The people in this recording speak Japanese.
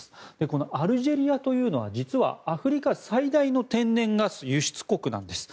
このアルジェリアというのは実はアフリカ最大の天然ガス輸出国なんです。